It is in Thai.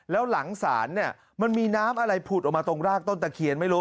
แล้วหลังศาลเนี่ยมันมีน้ำอะไรผุดออกมาตรงรากต้นตะเคียนไม่รู้